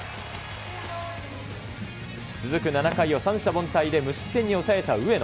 続く７回を三者凡退で無失点に抑えた上野。